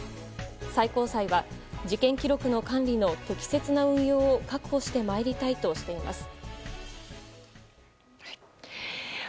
最高裁は、事件記録の管理の適切な運用を確保してまいりたいとしています。